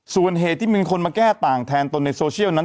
ส่วนเหตุที่มีคนมาแก้ต่างแทนตนในโซเชียลนั้น